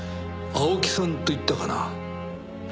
青木さんと言ったかな？